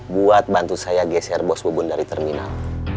buat bantu saya geser bos bubun dari terminal